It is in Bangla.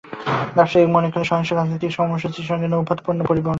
ব্যবসায়ীরা মনে করেন, সহিংস রাজনৈতিক কর্মসূচির সময় নৌপথে পণ্য পরিবহনে নির্ভরতার বিকল্প নেই।